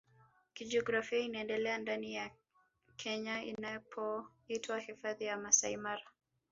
Kijiografia inaendelea ndani ya Kenya inapoitwa Hifadhi ya Masai Mara